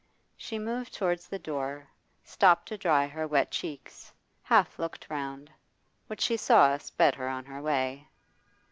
She moved towards the door, stopped to dry her wet cheeks, half looked round. What she saw sped her on her way.